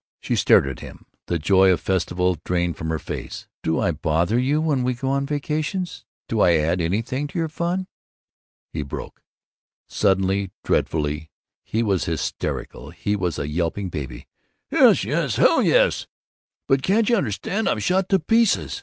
She stared at him, the joy of festival drained from her face. "Do I bother you when we go on vacations? Don't I add anything to your fun?" He broke. Suddenly, dreadfully, he was hysterical, he was a yelping baby. "Yes, yes, yes! Hell, yes! But can't you understand I'm shot to pieces?